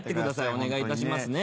お願いしますね。